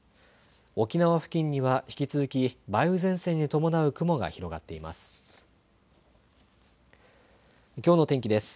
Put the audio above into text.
沖縄付近には引き続き梅雨前線に伴う雲が広がっています。